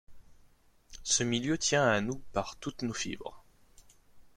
Ce milieu tient à nous par toutes nos fibres.